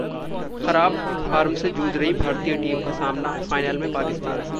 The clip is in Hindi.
खराब फार्म से जूझ रही भारतीय टीम का सामना फाइनल में पाकिस्तान से